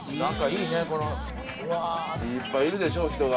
いっぱいいるでしょ人が。